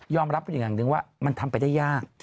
ยอมรับอย่างหนึ่งว่ามันทำไปได้ยาก